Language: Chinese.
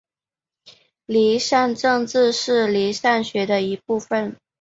离散政治是离散学的一部份。